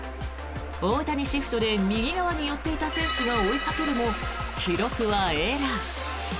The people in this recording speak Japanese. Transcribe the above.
大谷シフトで右側に寄っていた選手が追いかけるも記録はエラー。